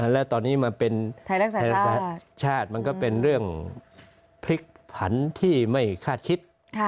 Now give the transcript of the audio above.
แล้วตอนนี้มาเป็นชาติมันก็เป็นเรื่องพลิกผันที่ไม่คาดคิด